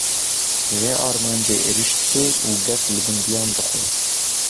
Bi vê armancê, êrîş dike û gef li gundiyan dixwe